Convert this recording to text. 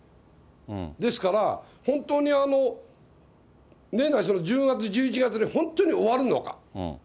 ですから、本当に年内、１０月、１１月に本当に終わるのか。